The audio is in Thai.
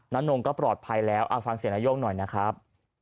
นงก็ปลอดภัยแล้วเอาฟังเสียงนายกหน่อยนะครับ